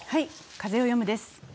「風をよむ」です。